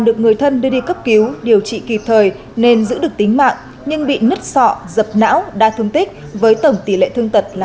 đi cấp cứu điều trị kịp thời nên giữ được tính mạng nhưng bị nứt sọ dập não đa thương tích với tổng tỷ lệ thương tật là ba mươi bảy